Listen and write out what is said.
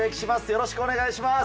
よろしくお願いします。